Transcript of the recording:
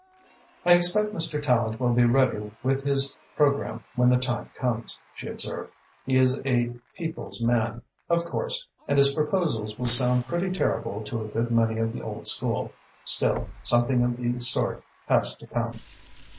"I expect Mr. Tallente will be ready with his programme when the time comes," she observed. "He is a people's man, of course, and his proposals will sound pretty terrible to a good many of the old school. Still, something of the sort has to come."